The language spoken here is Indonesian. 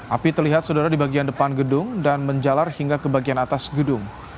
api terlihat saudara di bagian depan gedung dan menjalar hingga ke bagian atas gedung